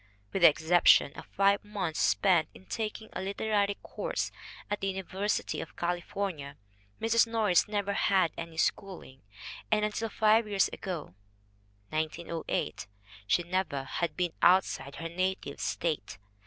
... With the exception of five months spent in taking a literary course at the Uni versity of California, Mrs. Norris never had any KATHLEEN NORRIS 71 schooling, and, until five years ago (1908), she never had been outside her native State.